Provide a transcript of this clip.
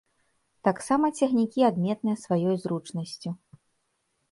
Таксама цягнікі адметныя сваёй зручнасцю.